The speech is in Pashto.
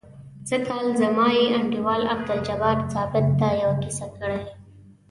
سږ کال یې زما انډیوال عبدالجبار ثابت ته یوه کیسه کړې.